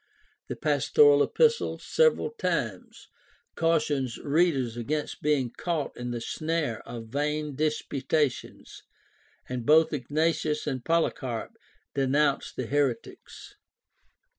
The Pastoral Epistles several times caution readers against being caught in the snare of vain disputations, and both Ignatius and Polycarp denounce the heretics.